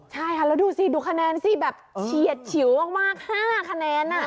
ใช่ค่ะแล้วดูสิดูคะแนนสิแบบเฉียดฉิวมาก๕คะแนน